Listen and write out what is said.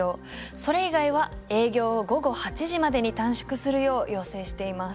それ以外は営業を午後８時までに短縮するよう要請しています。